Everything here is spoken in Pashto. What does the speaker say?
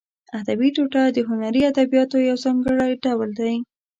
ادبي ټوټه د هنري ادبیاتو یو ځانګړی ډول دی.